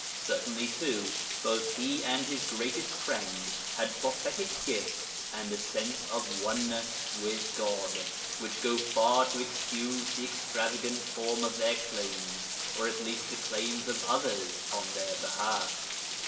Certainly, too, both he and his greatest friend had prophetic gifts and a sense of oneness with God, which go far to excuse the extravagant form of their claims, or at least the claims of others on their behalf.